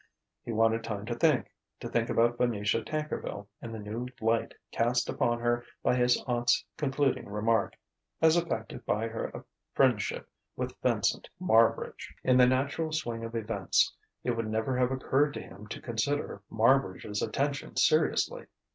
He wanted time to think to think about Venetia Tankerville in the new light cast upon her by his aunt's concluding remark: as affected by her friendship with Vincent Marbridge. In the natural swing of events, it would never have occurred to him to consider Marbridge's attentions seriously.